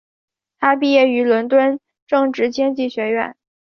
他毕业于伦敦政治经济学院。